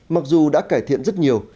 mặc dù đã cải thiện rất nhiều